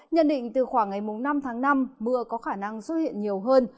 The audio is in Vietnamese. nhận định từ khoảng ngày năm tháng năm mưa có khả năng xuất hiện nhiều hơn